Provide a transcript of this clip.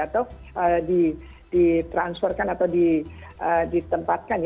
atau ditransferkan atau ditempatkan